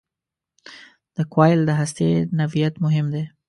د کوایل د هستې نوعیت مهم دی.